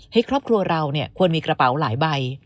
ครอบครัวเราเนี่ยควรมีกระเป๋าหลายใบ